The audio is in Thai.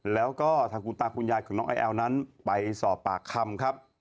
แล้วก็ทางคุณตาคุณยายของน้องไอแอลนั้นไปสอบปากคำครับ